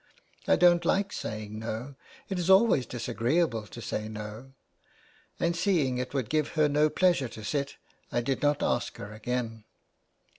I don't like saying no ; it is always disagreeable to say no.' And seeing it would give her no pleasure to sit, I did not ask her again."